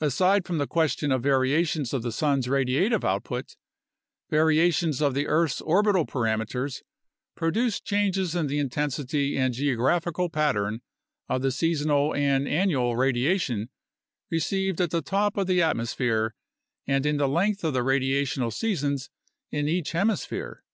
Aside from the question of variations of the sun's radiative output, variations of the earth's orbital parameters produce changes in the intensity and geographical pattern of the seasonal and annual radiation received at the top of the atmosphere and in the length of the radiational seasons in each hemisphere.